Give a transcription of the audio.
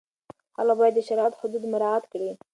خلع باید د شریعت حدود مراعت کړي.